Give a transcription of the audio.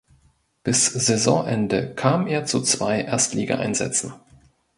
Bis Saisonende kam er zu zwei Erstligaeinsätzen.